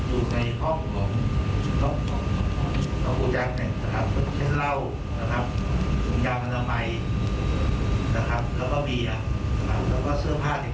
อยู่ในห้องของน้องกูจังเช่นเล่าธุมยามะนามัยแล้วก็เมียแล้วก็เสื้อผ้าเด็ก